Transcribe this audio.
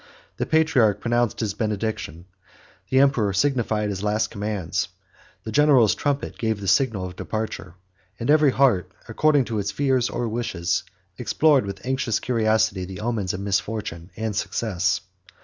The patriarch pronounced his benediction, the emperor signified his last commands, the general's trumpet gave the signal of departure, and every heart, according to its fears or wishes, explored, with anxious curiosity, the omens of misfortune and success.